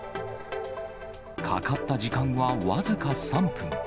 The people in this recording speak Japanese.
かかった時間は僅か３分。